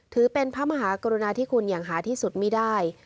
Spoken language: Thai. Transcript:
ถือเป็นพระมหากรุณาที่คุณอย่างหาที่สุดไม่ได้